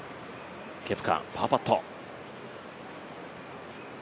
ケプカ、パーパット。